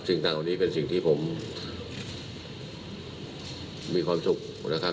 สิ่งต่างเหล่านี้เป็นสิ่งที่ผมมีความสุขนะครับ